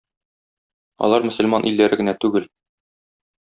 Алар мөселман илләре генә түгел.